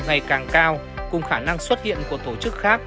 ngày càng cao cùng khả năng xuất hiện của tổ chức khác